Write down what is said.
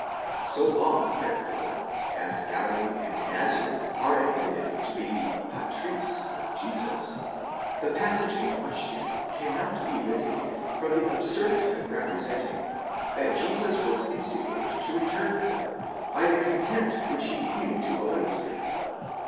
So long, therefore, as Galilee and Nazareth are admitted to be the πατρίς of Jesus, the passage in question cannot be vindicated from the absurdity of representing, that Jesus was instigated to return thither by the contempt which he knew to await him.